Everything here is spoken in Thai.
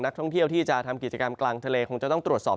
ท่องเที่ยวที่จะทำกิจกรรมกลางทะเลคงจะต้องตรวจสอบ